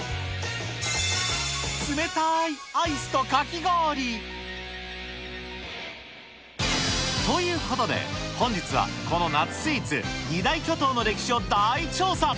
冷たーいアイスとかき氷。ということで、本日は、この夏スイーツ、２大巨頭の歴史を大調査。